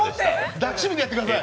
抱きしめてやってください。